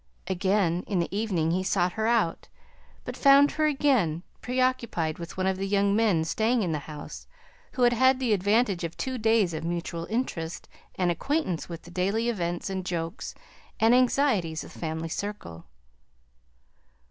Again in the evening he sought her out, but found her again pre occupied with one of the young men staying in the house, who had had the advantage of two days of mutual interest, and acquaintance with the daily events and jokes and anxieties of the family circle.